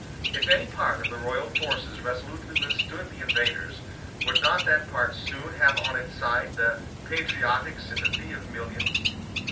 If any part of the royal forces resolutely withstood the invaders, would not that part soon have on its side the patriotic sympathy of millions?